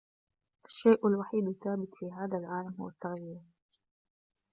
الشيء الوحيد الثابت في هذا العالم هو التغيير.